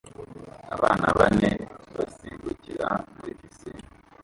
Abana bane basimbukira muri pisine